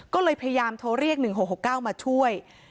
ก็เลยพยายามโทรเรียก๑๖๖๙มาช่วย